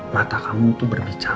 mata kamu tuh berbicara